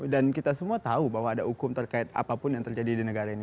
dan kita semua tahu bahwa ada hukum terkait apapun yang terjadi di negara ini